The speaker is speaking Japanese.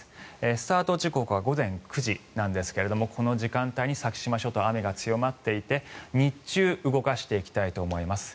スタート時刻は午前９時なんですがこの時間帯に先島諸島、雨が強まっていて日中動かしていきたいと思います。